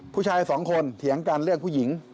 ผู้ชายสองคนเถียงกันเรื่องผู้หญิง